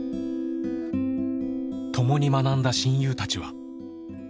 共に学んだ親友たちは。